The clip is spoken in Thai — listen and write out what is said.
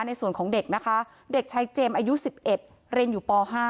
ในส่วนของเด็กนะคะเด็กชายเจมส์อายุ๑๑เรียนอยู่ป๕